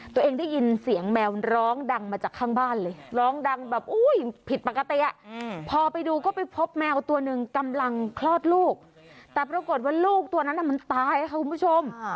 ตัวเองได้ยินเสียงแมวร้องดังมาจากข้างบ้านเลยร้องดังแบบอุ้ยผิดปกติพอไปดูก็ไปพบแมวตัวหนึ่งกำลังคลอดลูกแต่ปรากฏว่าลูกตัวนั้นมันตายค่ะคุณผู้ชม